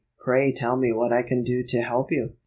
Pray tell me what I can do to help you."